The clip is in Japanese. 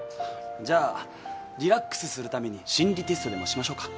じゃあリラックスするために心理テストでもしましょうか。